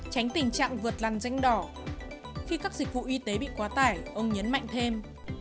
tránh tình trạng vượt làn rãnh đỏ khi các dịch vụ y tế bị quá tải ông nhấn mạnh thêm